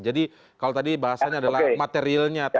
jadi kalau tadi bahasanya adalah materilnya